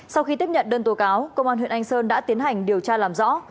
sau khi tiếp nhận đơn tố cáo công an huyện anh sơn đã tiến hành điều tra làm rõ